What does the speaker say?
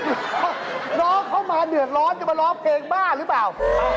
น้องเขามาเดือดร้อนจะมาร้องเพลงบ้าหรือเปล่า